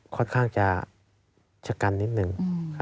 ค่อนข้างจะชะกันนิดนึง